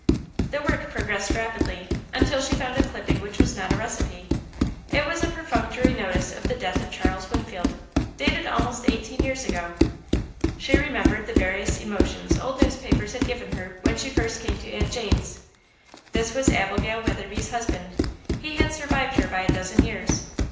The work progressed rapidly, until she found a clipping which was not a recipe. It was a perfunctory notice of the death of Charles Winfield, dated almost eighteen years ago. She remembered the various emotions old newspapers had given her when she first came to Aunt Jane's. This was Abigail Weatherby's husband he had survived her by a dozen years.